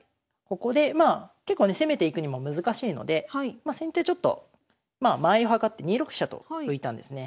ここでまあ結構ね攻めていくにも難しいので先手ちょっとまあ間合いはかって２六飛車と浮いたんですね。